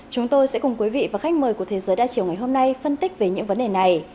chúng tôi sẽ cùng quý vị và khách mời của thế giới đa chiều ngày hôm nay phân tích về những vấn đề này